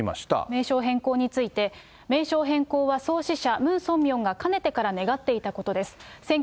名称変更について、名称変更は創始者、ムン・ソンミョンがかねてから願っていたことです。